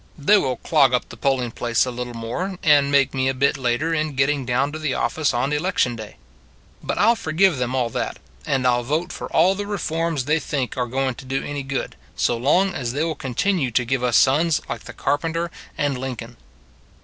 They will clog up the polling place a little more, and make me a bit later in getting down to the office on election day. But I 11 forgive them all that, and I 11 vote for all the reforms they think are going to do any good, so long as they will con tinue to give us sons like the Carpenter and Lincoln.